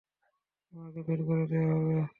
তোমাকে বের করে দেবো!